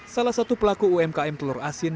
salah satu pelaku umkm telur asin